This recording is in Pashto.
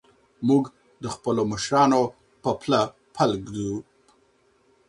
موږ د خپلو مشرانو په پله پل ږدو.